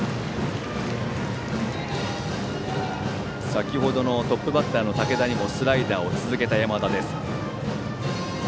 先程のトップバッターの武田にもスライダーを続けた山田です。